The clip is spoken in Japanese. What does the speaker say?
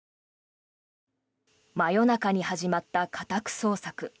真夜中に始まった家宅捜索。